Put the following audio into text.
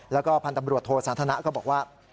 แล้วก็พันธ์ตำรวจโทสันทนะก็บอกว่า